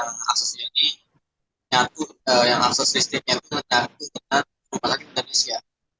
maksudnya listrik bahwa indonesia yang akses listriknya itu menanggung dengan kumpulan indonesia